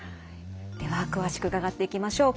では詳しく伺っていきましょう。